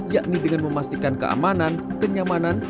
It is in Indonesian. yakni dengan memastikan keamanan kenyamanan